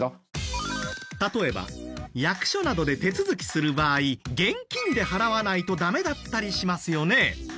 例えば役所などで手続きする場合現金で払わないとダメだったりしますよね。